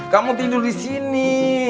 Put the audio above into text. kamu tidur disini